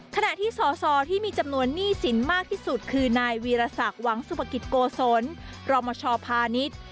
ขณะที่สอสอที่มีจำนวนหนี้สินมากที่สุดคือนายวีรศักดิ์หวังสุภกิจโกศลรมชพาณิชย์